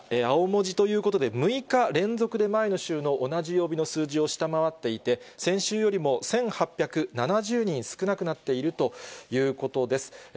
青文字ということで、６日連続で前の週の同じ曜日の数字を下回っていて、先週よりも１８７０人少なくなっているということです。